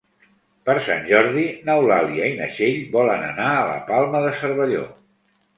Per Sant Jordi n'Eulàlia i na Txell volen anar a la Palma de Cervelló.